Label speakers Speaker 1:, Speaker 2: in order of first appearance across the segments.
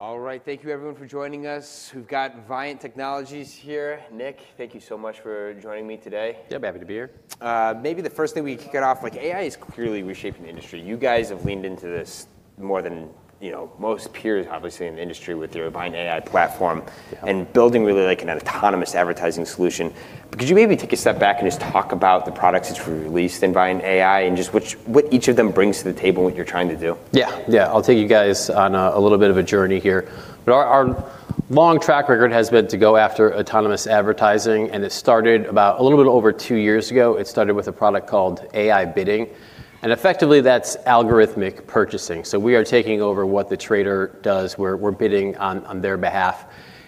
Speaker 1: All right. Thank you everyone for joining us. We've got Viant Technology here. Nick, thank you so much for joining me today.
Speaker 2: Yeah, happy to be here.
Speaker 1: Maybe the first thing we could get off, like AI is clearly reshaping the industry. You guys have leaned into this more than, you know, most peers obviously in the industry with your ViantAI platform.
Speaker 2: Yeah.
Speaker 1: and building really like an autonomous advertising solution. Could you maybe take a step back and just talk about the products that you've released in ViantAI and just what each of them brings to the table and what you're trying to do?
Speaker 2: Yeah. I'll take you guys on a little bit of a journey here. Our long track record has been to go after autonomous advertising. It started about a little bit over two years ago. It started with a product called AI Bidding, effectively that's algorithmic purchasing. We are taking over what the trader does. We're bidding on their behalf.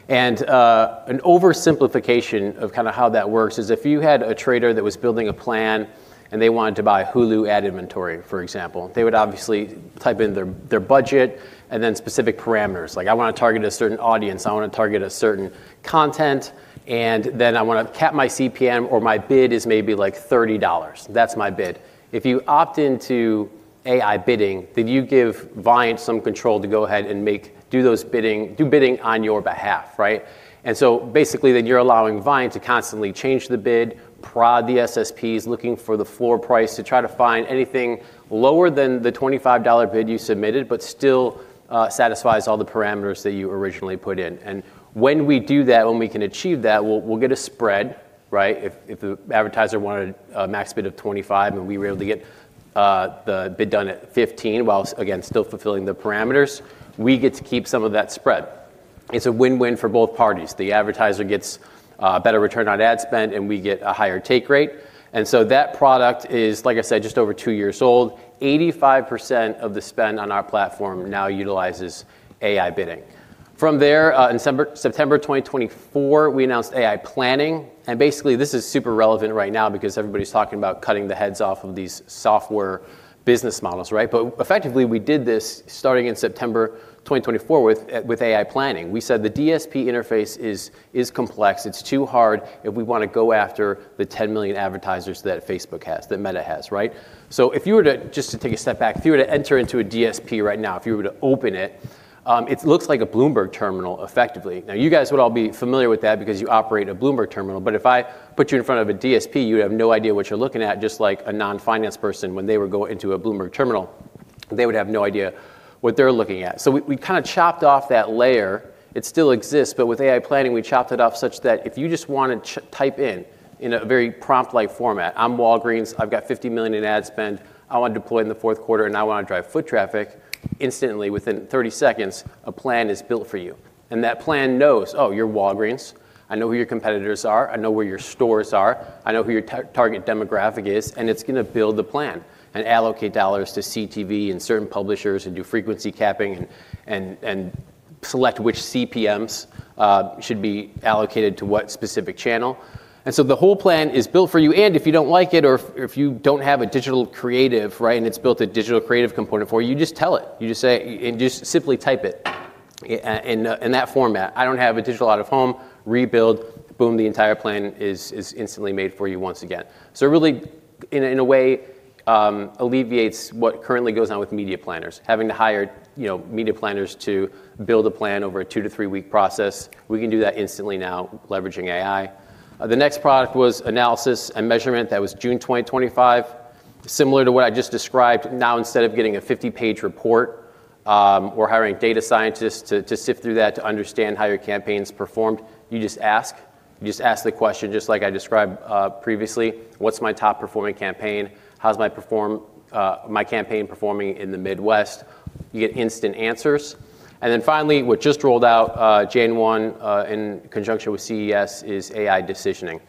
Speaker 2: An oversimplification of kind of how that works is if you had a trader that was building a plan and they wanted to buy Hulu ad inventory, for example, they would obviously type in their budget and then specific parameters, like, "I want to target a certain audience, I want to target a certain content, and then I want to cap my CPM or my bid is maybe like $30. That's my bid. If you opt into AI Bidding, then you give Viant some control to go ahead and do bidding on your behalf, right? Basically, then you're allowing Viant to constantly change the bid, prod the SSPs looking for the floor price to try to find anything lower than the $25 bid you submitted, but still satisfies all the parameters that you originally put in. When we do that, when we can achieve that, we'll get a spread, right? If the advertiser wanted a max bid of 25 and we were able to get the bid done at 15 whilst again still fulfilling the parameters, we get to keep some of that spread. It's a win-win for both parties. The advertiser gets better return on ad spend, and we get a higher take rate. That product is, like I said, just over two years old. 85% of the spend on our platform now utilizes AI Bidding. From there, in September 2024, we announced AI Planning. Basically, this is super relevant right now because everybody's talking about cutting the heads off of these software business models, right? Effectively, we did this starting in September 2024 with AI Planning. We said the DSP interface is complex. It's too hard if we want to go after the 10 million advertisers that Facebook has, that Meta has, right? If you were just to take a step back, if you were to enter into a DSP right now, if you were to open it looks like a Bloomberg terminal effectively. Now, you guys would all be familiar with that because you operate a Bloomberg terminal. If I put you in front of a DSP, you would have no idea what you're looking at, just like a non-finance person when they would go into a Bloomberg terminal, they would have no idea what they're looking at. We kind of chopped off that layer. It still exists, but with AI Planning, we chopped it off such that if you just want to type in a very prompt-like format, "I'm Walgreens. I've got $50 million in ad spend. I want to deploy in the fourth quarter, and I want to drive foot traffic," instantly, within 30 seconds, a plan is built for you. That plan knows, oh, you're Walgreens. I know who your competitors are. I know where your stores are. I know who your target demographic is. It's going to build the plan and allocate $ to CTV and certain publishers and do frequency capping and select which CPMs should be allocated to what specific channel. The whole plan is built for you, and if you don't like it or if you don't have a digital creative, right? It's built a digital creative component for you just tell it. You just simply type it in that format. "I don't have a digital out-of-home. Rebuild." Boom, the entire plan is instantly made for you once again. It really in a way alleviates what currently goes on with media planners. Having to hire, you know, media planners to build a plan over a two to three week process, we can do that instantly now leveraging AI. The next product was analysis and measurement. That was June 2025. Similar to what I just described, now instead of getting a 50-page report, or hiring data scientists to sift through that to understand how your campaign's performed, you just ask. You just ask the question, just like I described previously. What's my top-performing campaign? How's my campaign performing in the Midwest? You get instant answers. Finally, what just rolled out January 1, in conjunction with CES, is AI Decisioning.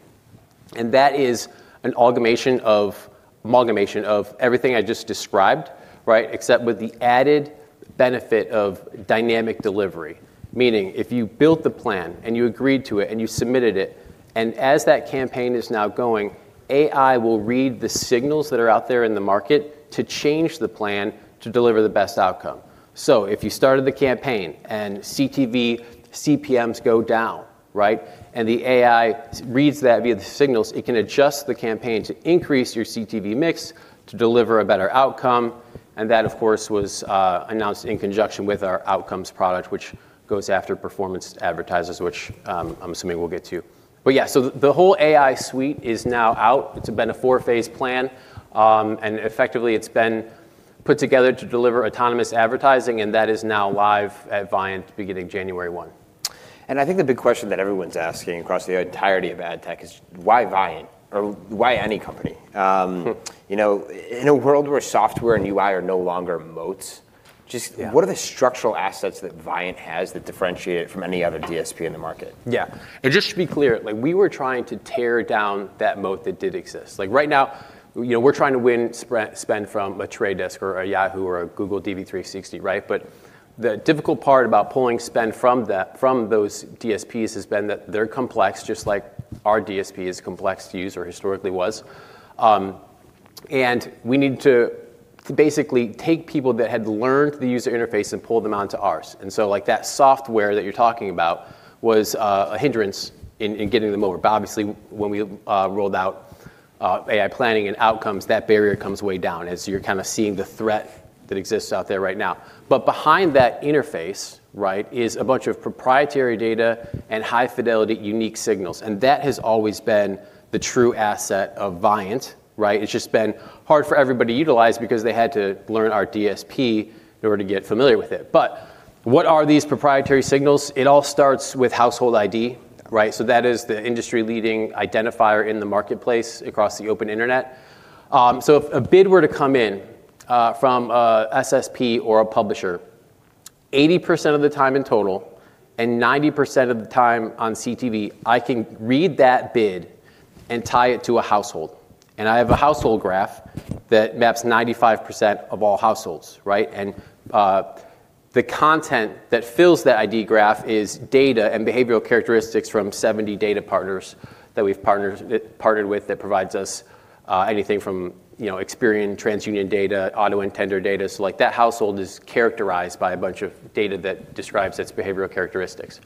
Speaker 2: That is an amalgamation of everything I just described, right? Except with the added benefit of dynamic delivery, meaning if you built the plan and you agreed to it and you submitted it, and as that campaign is now going, AI will read the signals that are out there in the market to change the plan to deliver the best outcome. If you started the campaign and CTV CPMs go down, right, and the AI reads that via the signals, it can adjust the campaign to increase your CTV mix to deliver a better outcome. That, of course, was announced in conjunction with our Outcomes product, which goes after performance advertisers, which I'm assuming we'll get to. Yeah. The whole AI suite is now out. It's been a four-phase plan, and effectively it's been put together to deliver autonomous advertising, and that is now live at Viant beginning January one.
Speaker 1: I think the big question that everyone's asking across the entirety of ad tech is why Viant or why any company? You know, in a world where software and UI are no longer moats.
Speaker 2: Yeah.
Speaker 1: What are the structural assets that Viant has that differentiate it from any other DSP in the market?
Speaker 2: Just to be clear, like we were trying to tear down that moat that did exist. Like right now, you know, we're trying to win spend from The Trade Desk or a Yahoo or a Google DV360, right? The difficult part about pulling spend from that, from those DSPs has been that they're complex, just like our DSP is complex to use or historically was. We need to basically take people that had learned the user interface and pull them onto ours. Like that software that you're talking about was a hindrance in getting them over. Obviously when we rolled out AI Planning and Outcomes, that barrier comes way down as you're kind of seeing the threat that exists out there right now. Behind that interface, right, is a bunch of proprietary data and high fidelity unique signals. That has always been the true asset of Viant, right? It's just been hard for everybody to utilize because they had to learn our DSP in order to get familiar with it. What are these proprietary signals? It all starts with Household ID, right? That is the industry leading identifier in the marketplace across the open internet. If a bid were to come in from a SSP or a publisher, 80% of the time in total and 90% of the time on CTV, I can read that bid and tie it to a household. I have a household graph that maps 95% of all households, right? The content that fills that ID graph is data and behavioral characteristics from 70 data partners that we've partnered with that provides us anything from, you know, Experian, TransUnion data, auto intender data. Like that household is characterized by a bunch of data that describes its behavioral characteristics.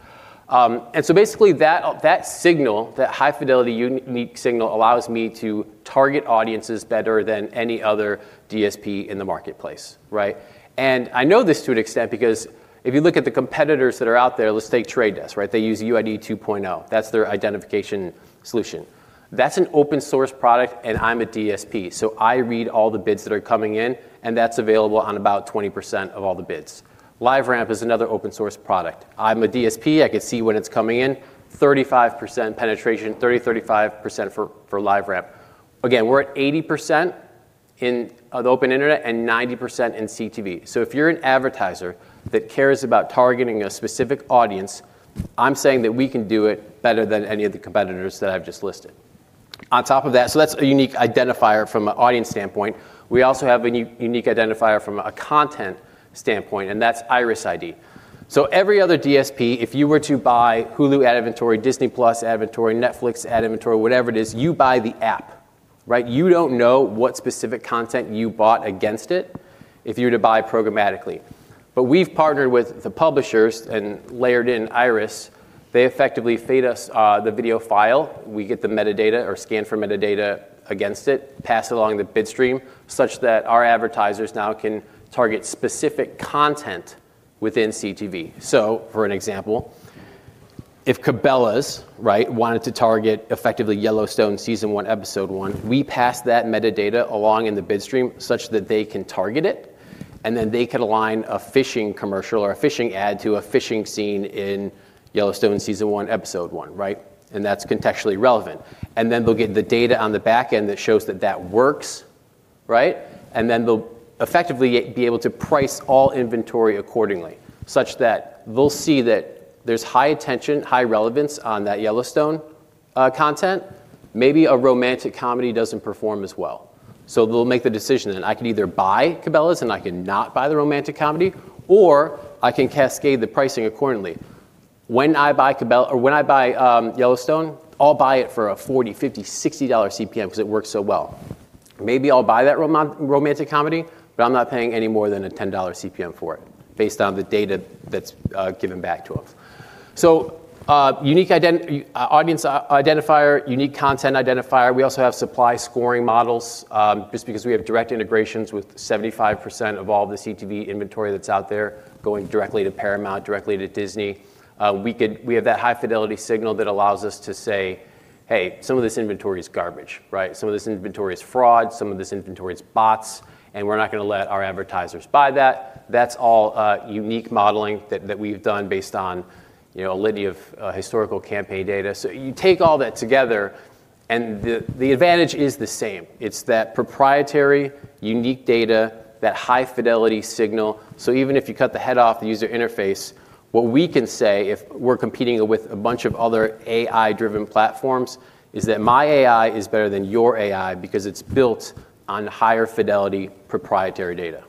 Speaker 2: Basically that signal, that high fidelity unique signal allows me to target audiences better than any other DSP in the marketplace, right? I know this to an extent because if you look at the competitors that are out there, let's take The Trade Desk, right? They use Unified ID 2.0. That's their identification solution. That's an open source product, and I'm a DSP, so I read all the bids that are coming in, and that's available on about 20% of all the bids. LiveRamp is another open source product. I'm a DSP, I can see when it's coming in. 35% penetration, 30%-35% for LiveRamp. We're at 80% on the open internet and 90% in CTV. If you're an advertiser that cares about targeting a specific audience, I'm saying that we can do it better than any of the competitors that I've just listed. On top of that. That's a unique identifier from an audience standpoint. We also have a unique identifier from a content standpoint, and that's IRIS_ID. Every other DSP, if you were to buy Hulu ad inventory, Disney+ ad inventory, Netflix ad inventory, whatever it is, you buy the app, right? You don't know what specific content you bought against it if you were to buy programmatically. We've partnered with the publishers and layered in IRIS. They effectively feed us the video file. We get the metadata or scan for metadata against it, pass it along the bid stream such that our advertisers now can target specific content within CTV. For an example, if Cabela's, right, wanted to target effectively Yellowstone season 1, episode 1, we pass that metadata along in the bid stream such that they can target it, and then they could align a fishing commercial or a fishing ad to a fishing scene in Yellowstone season 1, episode 1, right? That's contextually relevant. Then they'll get the data on the back end that shows that that works, right? Then they'll effectively be able to price all inventory accordingly, such that they'll see that there's high attention, high relevance on that Yellowstone content. Maybe a romantic comedy doesn't perform as well. They'll make the decision. I can either buy Cabela's, and I can not buy the romantic comedy, or I can cascade the pricing accordingly. When I buy Yellowstone, I'll buy it for a $40, $50, $60 CPM 'cause it works so well. Maybe I'll buy that romantic comedy, but I'm not paying any more than a $10 CPM for it based on the data that's given back to us. Unique audience identifier, unique content identifier. We also have supply scoring models, just because we have direct integrations with 75% of all the CTV inventory that's out there going directly to Paramount, directly to Disney. We have that high fidelity signal that allows us to say, "Hey, some of this inventory is garbage," right? Some of this inventory is fraud, some of this inventory is bots, and we're not going to let our advertisers buy that. That's all unique modeling that we've done based on, you know, a litany of historical campaign data. You take all that together and the advantage is the same. It's that proprietary unique data, that high fidelity signal. Even if you cut the head off the user interface, what we can say if we're competing with a bunch of other AI-driven platforms, is that my AI is better than your AI because it's built on higher fidelity proprietary data.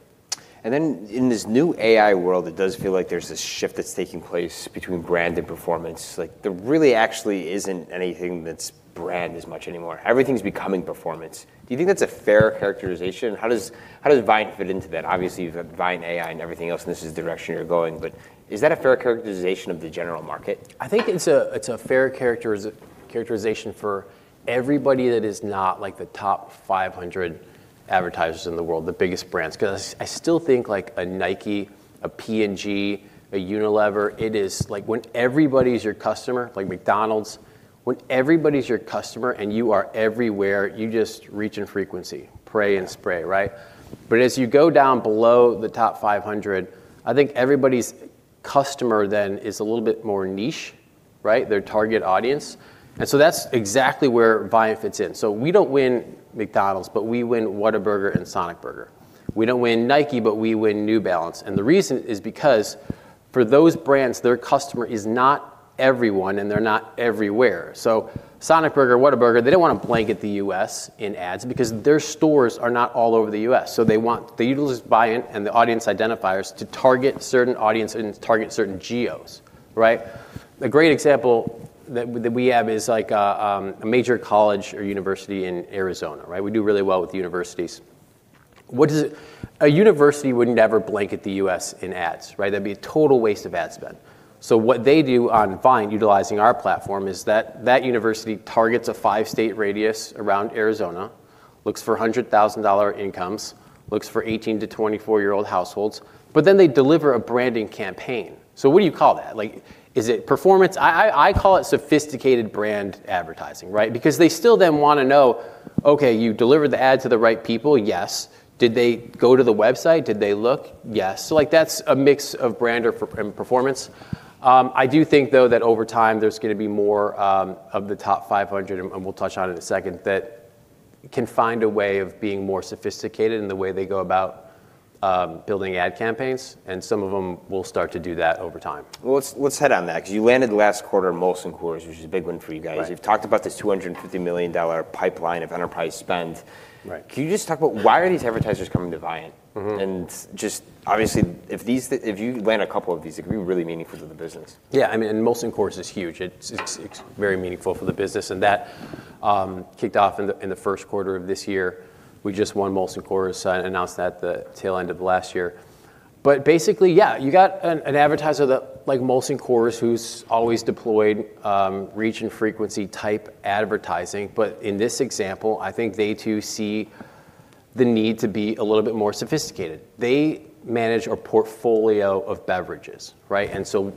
Speaker 1: In this new AI world, it does feel like there's this shift that's taking place between brand and performance. Like, there really actually isn't anything that's brand as much anymore. Everything's becoming performance. Do you think that's a fair characterization? How does Viant fit into that? Obviously, you have ViantAI and everything else, and this is the direction you're going, but is that a fair characterization of the general market?
Speaker 2: I think it's a, it's a fair characterization for everybody that is not, like, the top 500 advertisers in the world, the biggest brands. Because I still think, like, a Nike, a P&G, a Unilever, it is, like, when everybody's your customer, like McDonald's, when everybody's your customer and you are everywhere, you just reach in frequency, pray and spray, right? As you go down below the top 500, I think everybody's customer then is a little bit more niche, right? Their target audience. That's exactly where Viant fits in. We don't win McDonald's, but we win Whataburger and Sonic Drive-In. We don't win Nike, but we win New Balance. The reason is because for those brands, their customer is not everyone, and they're not everywhere. Sonic Drive-In, Whataburger, they don't want to blanket the US in ads because their stores are not all over the US, they want. They utilize Viant and the audience identifiers to target certain audience and target certain geos, right? A great example that we have is, like, a major college or university in Arizona, right? We do really well with universities. A university would never blanket the US in ads, right? That'd be a total waste of ad spend. What they do on Viant, utilizing our platform, is that that university targets a five-state radius around Arizona, looks for $100,000 incomes, looks for 18- to 24-year-old households, but then they deliver a branding campaign. What do you call that? Like, is it performance? I call it sophisticated brand advertising, right? They still then want to know, okay, you delivered the ad to the right people? Yes. Did they go to the website? Did they look? Yes. Like, that's a mix of brand or performance. I do think though that over time there's going to be more of the top 500, and we'll touch on it in a second, that can find a way of being more sophisticated in the way they go about building ad campaigns, and some of them will start to do that over time.
Speaker 1: Let's hit on that, because you landed last quarter Molson Coors, which is a big win for you guys.
Speaker 2: Right.
Speaker 1: You've talked about this $250 million pipeline of enterprise spend.
Speaker 2: Right.
Speaker 1: Can you just talk about why are these advertisers coming to Viant? Just obviously if these if you land a couple of these, it could be really meaningful to the business.
Speaker 2: Yeah, I mean, Molson Coors is huge. It's very meaningful for the business, that kicked off in the first quarter of this year. We just won Molson Coors, announced that the tail end of last year. Basically, yeah, you got an advertiser that, like Molson Coors, who's always deployed reach and frequency type advertising, but in this example, I think they too see the need to be a little bit more sophisticated. They manage a portfolio of beverages, right?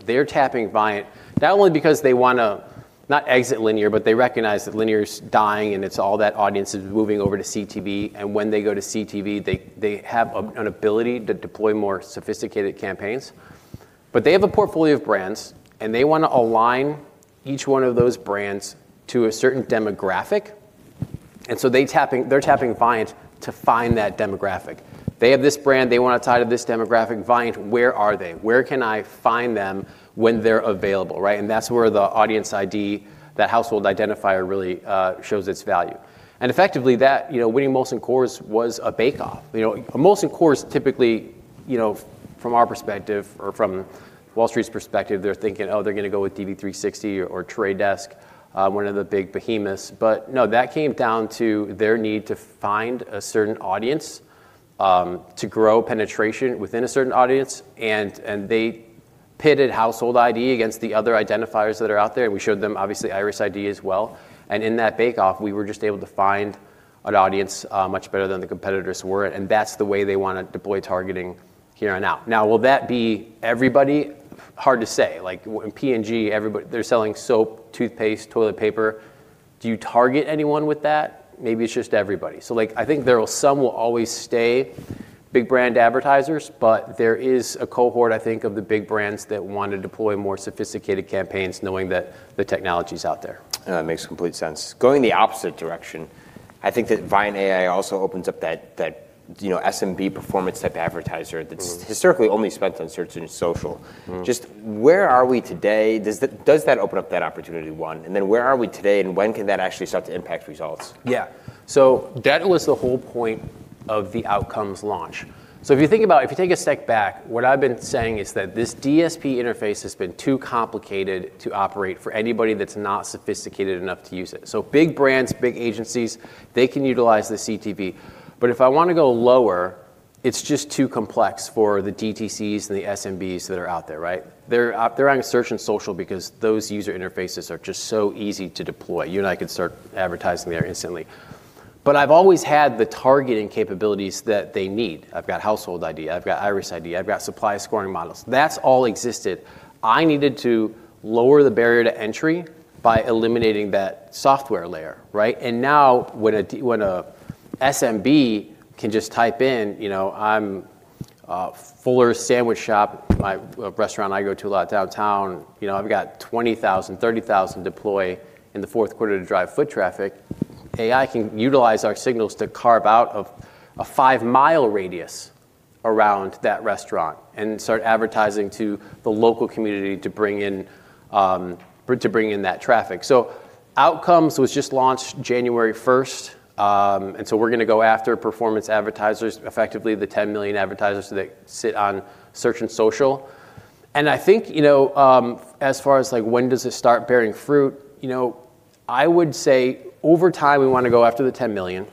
Speaker 2: They're tapping Viant, not only because they want to not exit linear, but they recognize that linear is dying and it's all that audience is moving over to CTV, and when they go to CTV, they have an ability to deploy more sophisticated campaigns. They have a portfolio of brands, and they want to align each one of those brands to a certain demographic. They're tapping Viant to find that demographic. They have this brand, they want to tie to this demographic. Viant, where are they? Where can I find them when they're available, right? That's where the audience ID, that household identifier really shows its value. Effectively, that, you know, winning Molson Coors was a bake-off. You know, Molson Coors typically, you know, from our perspective or from Wall Street's perspective, they're thinking, oh, they're going to go with DV360 or The Trade Desk, one of the big behemoths. No, that came down to their need to find a certain audience, to grow penetration within a certain audience and they pitted Household ID against the other identifiers that are out there, and we showed them obviously IRIS_ID as well. In that bake-off, we were just able to find an audience much better than the competitors were, and that's the way they want to deploy targeting here and now. Will that be everybody? Hard to say. Like when P&G, they're selling soap, toothpaste, toilet paper. Do you target anyone with that? Maybe it's just everybody. Like, I think some will always stay big brand advertisers, but there is a cohort, I think, of the big brands that want to deploy more sophisticated campaigns knowing that the technology's out there.
Speaker 1: Makes complete sense. Going the opposite direction, I think that ViantAI also opens up that, you know, SMB performance type. That's historically only spent on search and social. Just where are we today? Does that, does that open up that opportunity, one? Where are we today, and when can that actually start to impact results?
Speaker 2: Yeah. That was the whole point of the Outcomes launch. If you think about it, if you take a step back, what I've been saying is that this DSP interface has been too complicated to operate for anybody that's not sophisticated enough to use it. Big brands, big agencies, they can utilize the CTV. If I want to go lower, it's just too complex for the DTCs and the SMBs that are out there, right? They're out, they're on search and social because those user interfaces are just so easy to deploy. You and I could start advertising there instantly. I've always had the targeting capabilities that they need. I've got Household ID, I've got IRIS_ID, I've got supply scoring models. That's all existed. I needed to lower the barrier to entry by eliminating that software layer, right? Now when a SMB can just type in, you know, "I'm Fuller Sandwich Shop," my, a restaurant I go to a lot downtown, you know, "I've got $20,000, $30,000 deploy in the fourth quarter to drive foot traffic," AI can utilize our signals to carve out a five-mile radius around that restaurant and start advertising to the local community to bring in that traffic. Outcomes was just launched January 1st, and so we're going to go after performance advertisers, effectively the 10 million advertisers that sit on search and social. I think, you know, as far as like when does this start bearing fruit, you know, I would say over time we want to go after the 10 million,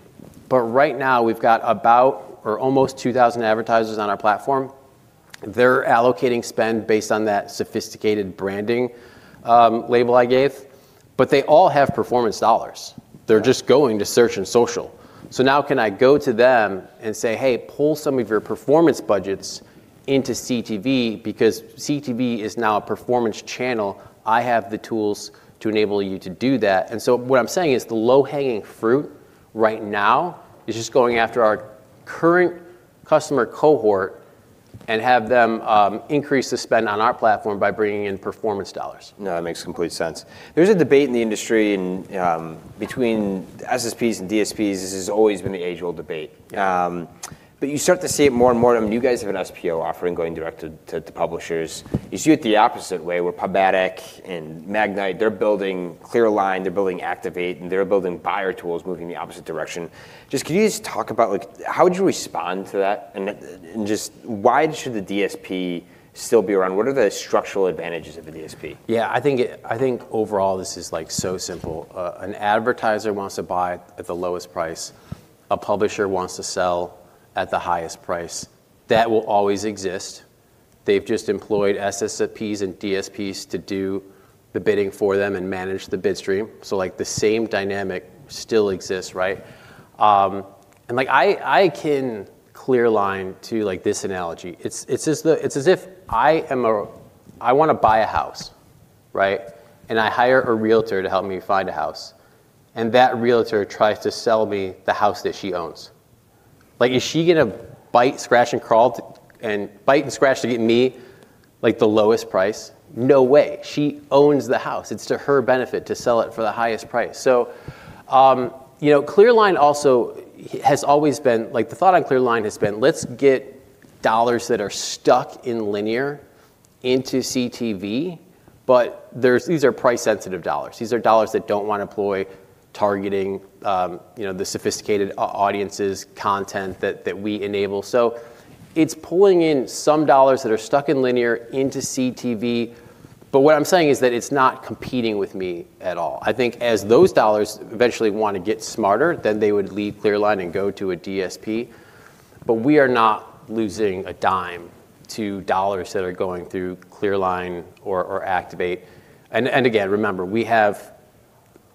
Speaker 2: but right now we've got about or almost 2,000 advertisers on our platform. They're allocating spend based on that sophisticated branding label I gave. They all have performance dollars.
Speaker 1: Yeah.
Speaker 2: They're just going to search and social. Now can I go to them and say, "Hey, pull some of your performance budgets into CTV because CTV is now a performance channel. I have the tools to enable you to do that." What I'm saying is the low-hanging fruit right now is just going after our current customer cohort and have them increase the spend on our platform by bringing in performance dollars.
Speaker 1: No, that makes complete sense. There's a debate in the industry and between SSPs and DSPs. This has always been the age-old debate. You start to see it more and more. I mean, you guys have an SPO offering going direct to publishers. You see it the opposite way, where PubMatic and Magnite, they're building ClearLine, they're building Activate, and they're building buyer tools moving the opposite direction. Just could you just talk about like how would you respond to that and just why should the DSP still be around? What are the structural advantages of a DSP?
Speaker 2: Yeah. I think overall this is like so simple. An advertiser wants to buy at the lowest price. A publisher wants to sell at the highest price. That will always exist. They've just employed SSPs and DSPs to do the bidding for them and manage the bid stream. Like, the same dynamic still exists, right? Like I can ClearLine to, like, this analogy. It's as if I want to buy a house, right? I hire a realtor to help me find a house, and that realtor tries to sell me the house that she owns. Like, is she going tobite and scratch to get me, like, the lowest price? No way. She owns the house. It's to her benefit to sell it for the highest price. You know, ClearLine also has always been. Like, the thought on ClearLine has been let's get dollars that are stuck in linear into CTV. These are price-sensitive dollars. These are dollars that don't want to employ targeting, you know, the sophisticated audiences content that we enable. It's pulling in some dollars that are stuck in linear into CTV. What I'm saying is that it's not competing with me at all. I think as those dollars eventually want to get smarter, then they would leave ClearLine and go to a DSP. We are not losing a dime to dollars that are going through ClearLine or Activate. Again, remember,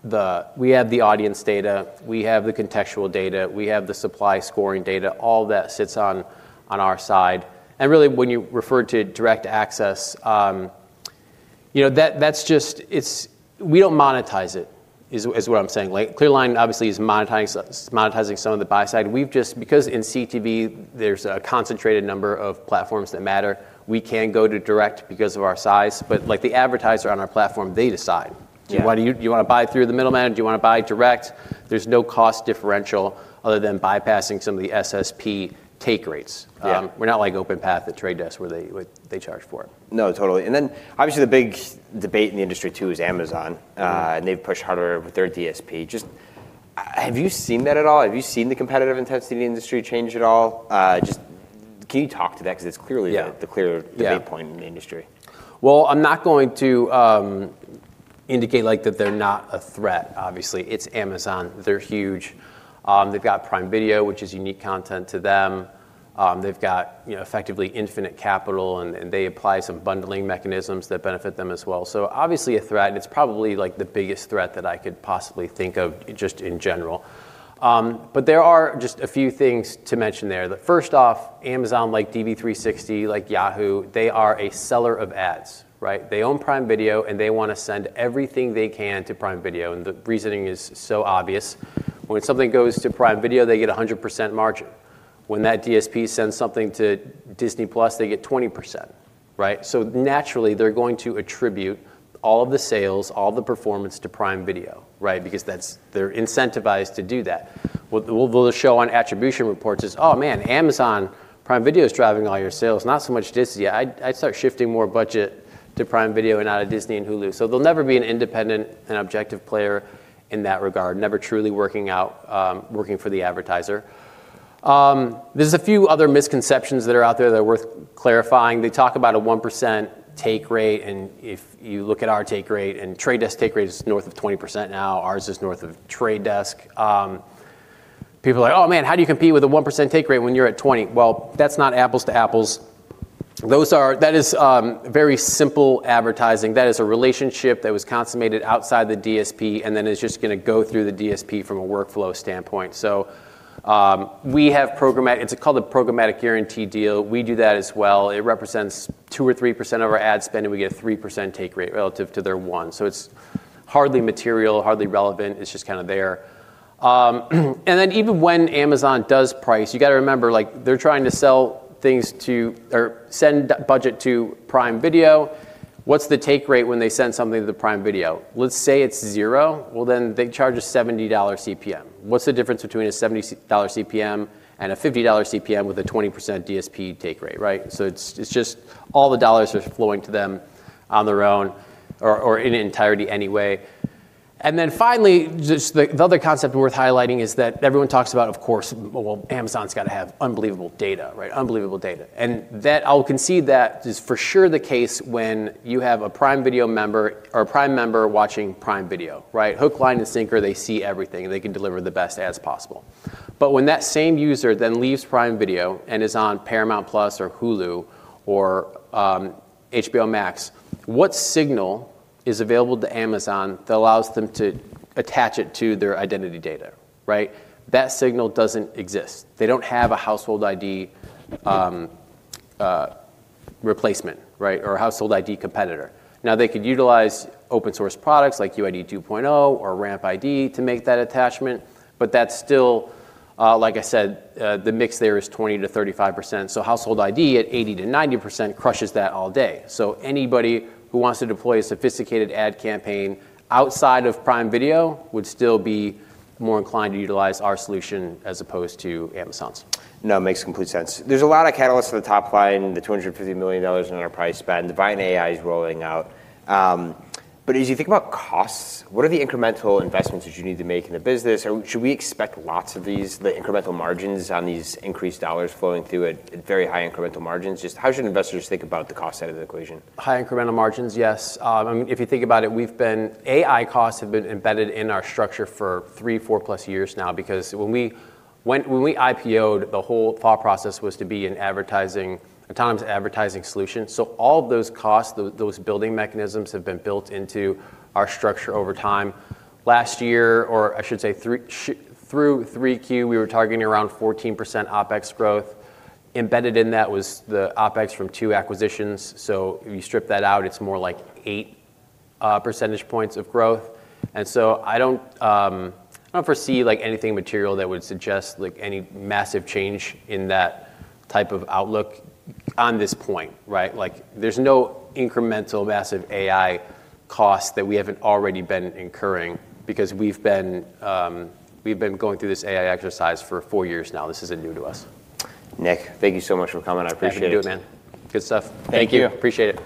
Speaker 2: we have the audience data, we have the contextual data, we have the supply scoring data. All that sits on our side. Really, when you refer to direct access, you know, we don't monetize it is what I'm saying. Like, ClearLine obviously is monetizing some of the buy side. Because in CTV, there's a concentrated number of platforms that matter, we can go to direct because of our size. Like, the advertiser on our platform, they decide.
Speaker 1: Yeah.
Speaker 2: Why do you want to buy through the middleman? Do you want to buy direct? There's no cost differential other than bypassing some of the SSP take rates.
Speaker 1: Yeah.
Speaker 2: We're not like OpenPath at The Trade Desk, where they, like, they charge for it.
Speaker 1: No, totally. Obviously the big debate in the industry too is Amazon. They've pushed harder with their DSP. Have you seen that at all? Have you seen the competitive intensity of the industry change at all? Just can you talk to that? 'Cause it's clearly-
Speaker 2: Yeah
Speaker 1: the clear-
Speaker 2: Yeah
Speaker 1: Debate point in the industry.
Speaker 2: Well, I'm not going to, like, indicate that they're not a threat. Obviously. It's Amazon. They're huge. They've got Prime Video, which is unique content to them. They've got, you know, effectively infinite capital, and they apply some bundling mechanisms that benefit them as well. Obviously a threat, and it's probably, like, the biggest threat that I could possibly think of just in general. There are just a few things to mention there. The first off, Amazon, like DV360, like Yahoo, they are a seller of ads, right? They own Prime Video, and they want to send everything they can to Prime Video, and the reasoning is so obvious. When something goes to Prime Video, they get 100% margin. When that DSP sends something to Disney+, they get 20%, right? Naturally, they're going to attribute all of the sales, all the performance to Prime Video, right? Because they're incentivized to do that. What we'll show on attribution reports is, "Oh, man, Amazon Prime Video is driving all your sales, not so much Disney." I'd start shifting more budget to Prime Video and out of Disney and Hulu. They'll never be an independent and objective player in that regard, never truly working out, working for the advertiser. There's a few other misconceptions that are out there that are worth clarifying. They talk about a 1% take rate, and if you look at our take rate, and Trade Desk's take rate is north of 20% now, ours is north of Trade Desk. People are like, "Oh, man, how do you compete with a 1% take rate when you're at 20?" Well, that's not apples to apples. That is very simple advertising. That is a relationship that was consummated outside the DSP and then is just going to go through the DSP from a workflow standpoint. We have programmatic guaranteed deal. We do that as well. It represents 2% or 3% of our ad spend, and we get a 3% take rate relative to their one. It's hardly material, hardly relevant. It's just kind of there. Even when Amazon does price, you got to remember, like, they're trying to sell things to or send budget to Prime Video. What's the take rate when they send something to the Prime Video? Let's say it's zero. they charge a $70 CPM. What's the difference between a $70 CPM and a $50 CPM with a 20% DSP take rate, right? It's just all the dollars are flowing to them on their own or in entirety anyway. Finally, just the other concept worth highlighting is that everyone talks about, of course, well, Amazon's got to have unbelievable data, right? Unbelievable data. That I'll concede that is for sure the case when you have a Prime Video member or a Prime member watching Prime Video, right? Hook, line, and sinker, they see everything, and they can deliver the best ads possible. When that same user then leaves Prime Video and is on Paramount+ or Hulu or HBO Max, what signal is available to Amazon that allows them to attach it to their identity data, right? That signal doesn't exist. They don't have a household ID replacement, right? Or a household ID competitor. Now, they could utilize open source products like Unified ID 2.0 or RampID to make that attachment, but that's still, like I said, the mix there is 20%-35%. Household ID at 80%-90% crushes that all day. Anybody who wants to deploy a sophisticated ad campaign outside of Prime Video would still be more inclined to utilize our solution as opposed to Amazon's.
Speaker 1: No, it makes complete sense. There's a lot of catalysts for the top line, the $250 million in enterprise spend. The buying AI is rolling out. As you think about costs, what are the incremental investments that you need to make in the business? Should we expect the incremental margins on these increased dollars flowing through at very high incremental margins? Just how should investors think about the cost side of the equation?
Speaker 2: High incremental margins, yes. If you think about it, AI costs have been embedded in our structure for three, four plus years now, because when we IPO'd, the whole thought process was to be an advertising, autonomous advertising solution. All of those costs, those building mechanisms, have been built into our structure over time. Last year, or I should say through third quarter, we were targeting around 14% OPEX growth. Embedded in that was the OPEX from two acquisitions. If you strip that out, it's more like 8% of growth. I don't foresee, like, anything material that would suggest, like, any massive change in that type of outlook on this point, right? Like, there's no incremental massive AI cost that we haven't already been incurring because we've been going through this AI exercise for four years now. This isn't new to us.
Speaker 1: Nick, thank you so much for coming. I appreciate it.
Speaker 2: Happy to do it, man. Good stuff. Thank you.
Speaker 1: Thank you. Appreciate it.